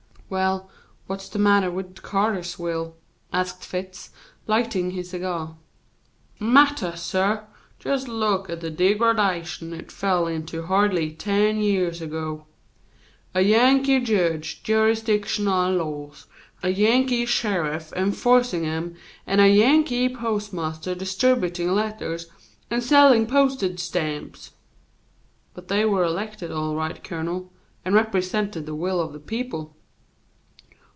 "Well, what's the matter with Cartersville?" asked Fitz, lighting his cigar. "Mattah, suh! Just look at the degradation it fell into hardly ten years ago. A Yankee jedge jurisdiction our laws, a Yankee sheriff enfo'cin' 'em, and a Yankee postmaster distributin' letters and sellin' postage stamps." "But they were elected all right, Colonel, and represented the will of the people."